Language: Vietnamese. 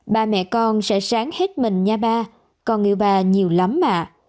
ba mẹ con sẽ sáng hết mình nha ba con yêu ba nhiều lắm mà